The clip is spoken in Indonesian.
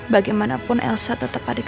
bagaimanapun elsa tetep adik aku